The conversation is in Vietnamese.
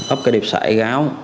ấp cái điệp xã cây gáo